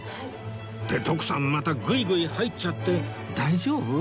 って徳さんまたグイグイ入っちゃって大丈夫？